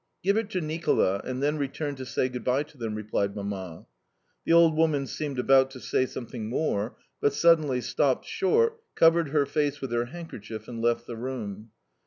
"Give it to Nicola, and then return to say good bye to them," replied Mamma. The old woman seemed about to say something more, but suddenly stopped short, covered her face with her handkerchief, and left the room.